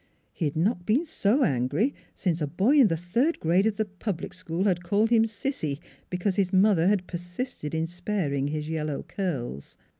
He had not been so angry since a boy in the third grade of the public school had called him " sissy," because his mother had persisted in sparing his yellow curls.